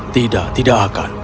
tidak tidak akan